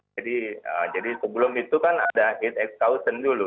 jadi sebelum itu kan ada heat exhaustion dulu